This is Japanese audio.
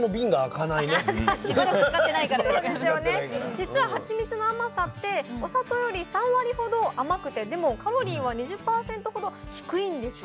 実はハチミツの甘さってお砂糖より３割ほど甘くてでもカロリーは２０％ほど低いんですよ。